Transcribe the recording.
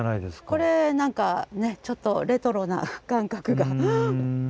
これ何かちょっとレトロな感覚が。